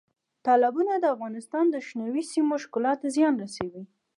تالابونه د افغانستان د شنو سیمو ښکلا ته زیان رسوي.